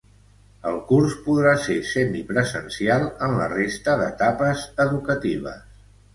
El curs podrà ser semipresencial en la resta d’etapes educatives.